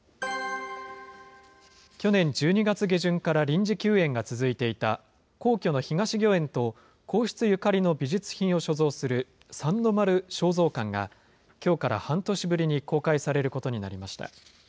去年１２月下旬から臨時休園が続いていた皇居の東御苑と、皇室ゆかりの美術品を所蔵する三の丸尚蔵館が、きょうから半年ぶりに公開されることになりました。